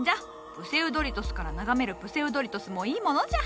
プセウドリトスから眺めるプセウドリトスもいいものじゃ。